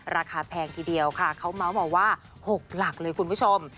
แพงทีเดียวค่ะเขาเมาส์มาว่า๖หลักเลยคุณผู้ชม